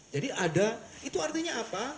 jadi ada itu artinya apa